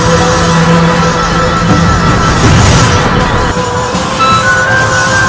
jendela ku akan dijuangkan